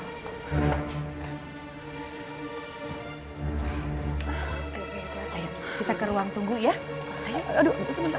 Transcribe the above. aduh bisa bentuk nama gak